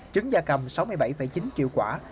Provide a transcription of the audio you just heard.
trứng gia cầm sáu mươi bảy chín triệu quả